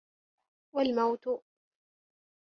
وَالْمَوْتُ